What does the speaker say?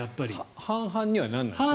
半々にはならないんですか？